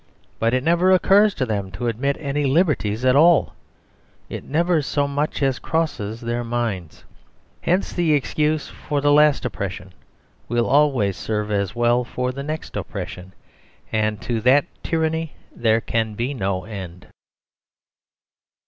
But it never occurs to them to admit any liberties at all. It never so much as crosses their minds. Hence the excuse for the last oppression will always serve as well for the next oppression; and to that tyranny there can be no end.